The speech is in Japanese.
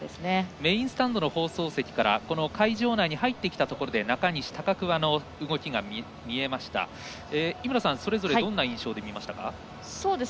メインスタンドの放送席から会場内に入ってきたところで中西、高桑の動きが見えました井村さん、それぞれどんな印象で見ましたか。